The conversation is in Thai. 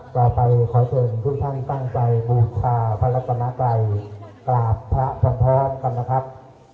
ต่อไปขอเชิญทุกท่านตั้งใจบูชาพระรัตนากรัยกราบพระพร้อมกันนะครับ